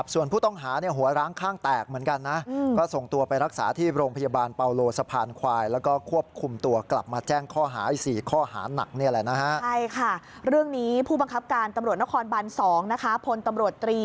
ส่วนผู้ต้องหาหัวร้างข้างแตกเหมือนกันนะ